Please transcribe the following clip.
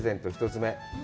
１つ目。